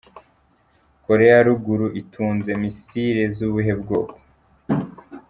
Korea ya Ruguru itunze "missiles" z'ubuhe bwoko?.